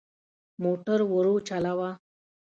موټر ورو چلوه.